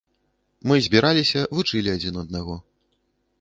Мы збіраліся, вучылі адзін аднаго.